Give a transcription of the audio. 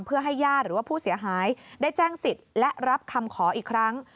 เพื่อให้ญาติหรือว่าผู้เสียหายได้แจ้งสิทธิ์และรับคำขออีกครั้ง